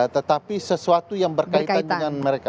tetapi sesuatu yang berkaitan dengan mereka